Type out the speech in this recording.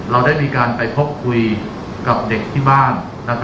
เราได้มีการไปพบคุยกับเด็กที่บ้าน